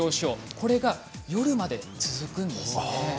これが夜まで続くんです。